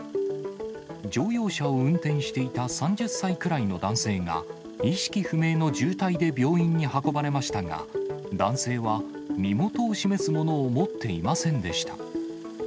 乗用車を運転していた３０歳くらいの男性が、意識不明の重体で病院に運ばれましたが、男性は身元を示すものを持っていませんでした。